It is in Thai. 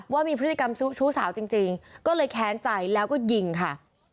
ว่ามีพฤติกรรมชู้สาวจริงก็เลยแค้นใจแล้วก็ยิงค่ะ